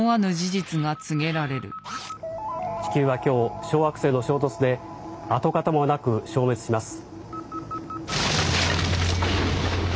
地球は今日小惑星の衝突で跡形もなく消滅します。